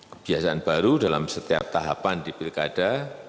kebiasaan baru dalam setiap tahapan di pilkada